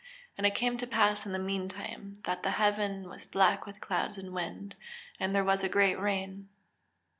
And it came to pass in the meantime, that the heaven was black with clouds and wind, and there was a great rain."